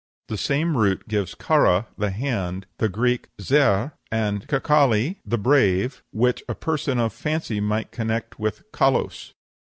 The same root gives kara, the hand, the Greek xei'r, and kkalli, brave, which a person of fancy may connect with kalo's.